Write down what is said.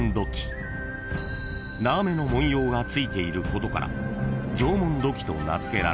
［ついていることから縄文土器と名付けられ］